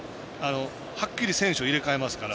はっきり選手を入れ替えますから。